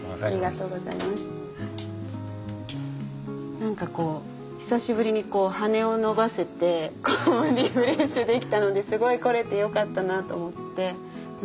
何かこう久しぶりに羽を伸ばせてリフレッシュできたのですごい来れてよかったなと思って。